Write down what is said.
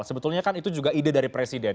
sebetulnya kan itu juga ide dari presiden